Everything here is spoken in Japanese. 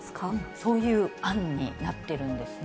そういう案になっているんですね。